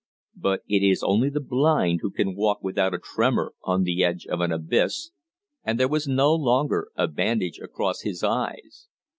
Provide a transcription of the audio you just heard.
But it is only the blind who can walk without a tremor on the edge of an abyss, and there was no longer a bandage across his eyes.